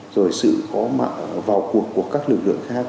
rồi sự có vào cuộc của các lực lượng khác